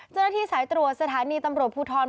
เจ้าหน้าที่สายตรวจสถานีตำรวจภูทร